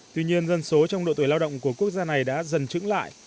tuy nhiên dân số trong độ tuổi lao động của quốc gia này đã dần trứng lại